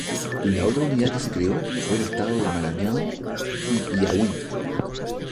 La otra unidad que se creó fue el Estado del Maranhão y Piauí.